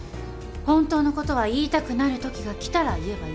本当のことは言いたくなるときが来たら言えばいい。